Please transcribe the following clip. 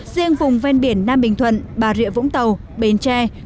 riêng vùng ven biển nam bình thuận bà rịa vũng tàu bến tre